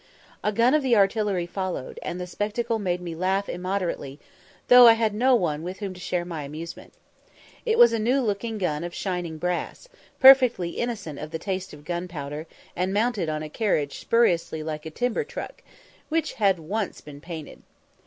A gun of the artillery followed, and the spectacle made me laugh immoderately, though I had no one with whom to share my amusement. It was a new looking gun of shining brass, perfectly innocent of the taste of gunpowder, and mounted on a carriage suspiciously like a timber truck, which had once been painted.